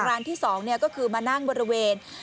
ร้านที่๒ก็คือมานั่งบริเวณ